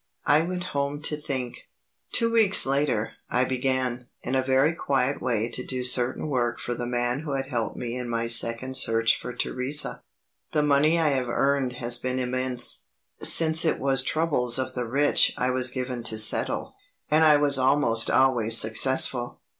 I went home to think. Two weeks later, I began, in a very quiet way to do certain work for the man who had helped me in my second search for Theresa. The money I have earned has been immense; since it was troubles of the rich I was given to settle, and I was almost always successful.